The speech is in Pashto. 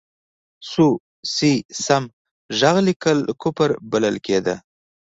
سو، سي، سم، ږغ لیکل کفر بلل کېده.